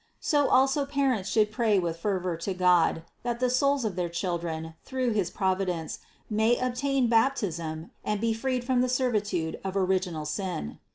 So also parents should pray with fervor to God, that the souls of their children, through his Providence, may obtain Baptism and be freed from the servitude of original sin.